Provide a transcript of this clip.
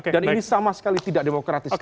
dan ini sama sekali tidak demokratis